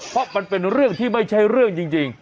เพราะมันเป็นเรื่องที่ไม่ใช่เรื่องจริง